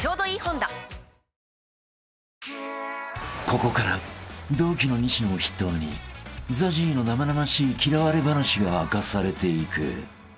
［ここから同期の西野を筆頭にＺＡＺＹの生々しい嫌われ話が明かされていく］